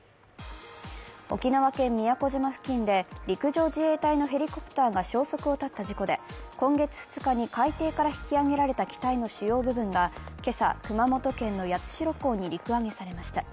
沖縄県宮古島付近で陸上自衛隊のヘリコプターが消息を絶った事故で今月２日に海底から引き揚げられた機体の主要部分が今朝、熊本県の八代港に陸揚げされました。